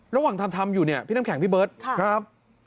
ระหว่างทำทำอยู่เนี่ยพี่น้ำแข็งพี่เบิร์ตครับ